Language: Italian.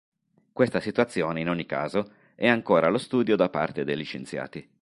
Questa situazione, in ogni caso, è ancora allo studio da parte degli scienziati.